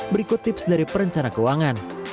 berikut tips dari perencana keuangan